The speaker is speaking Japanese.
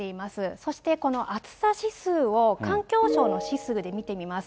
そしてこの暑さ指数を環境省の指数で見てみます。